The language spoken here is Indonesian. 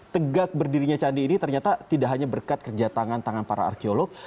tegak berdirinya candi ini ternyata tidak hanya berkat kerja tangan tangan para arkeolog